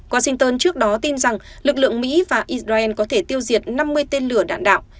washington trước đó tin rằng lực lượng mỹ và israel có thể tiêu diệt năm mươi tên lửa đạn đạo